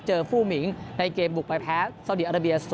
ผู้หมิงในเกมบุกไปแพ้ซาวดีอาราเบีย๐